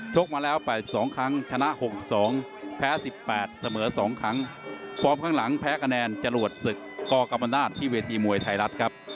กมาแล้ว๘๒ครั้งชนะ๖๒แพ้๑๘เสมอ๒ครั้งฟอร์มข้างหลังแพ้คะแนนจรวดศึกกกรรมนาศที่เวทีมวยไทยรัฐครับ